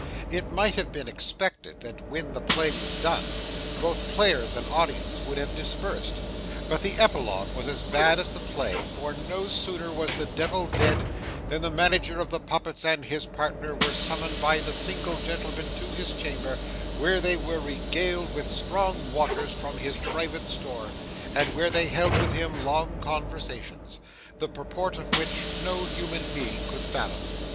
It might have been expected that when the play was done, both players and audience would have dispersed; but the epilogue was as bad as the play, for no sooner was the Devil dead, than the manager of the puppets and his partner were summoned by the single gentleman to his chamber, where they were regaled with strong waters from his private store, and where they held with him long conversations, the purport of which no human being could fathom.